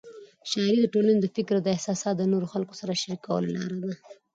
شاعري د ټولنې د فکر او احساسات د نورو خلکو سره شریکولو لار ده.